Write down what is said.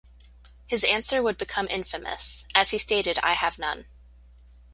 His answer would become infamous, as he stated I have none.